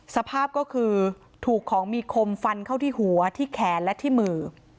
สภาพก็คือถูกของมีคมฟันเข้าที่หัวที่แขนและที่มือ